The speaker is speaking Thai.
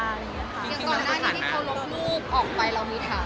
อย่างก่อนหน้านี้ที่เขาลบรูปออกไปเรามีถาม